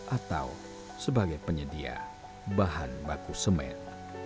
atau sebagai penyedia bahan baku semen